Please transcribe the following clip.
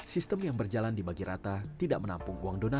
sistem yang berjalan di bagirata tidak menampung uang donatur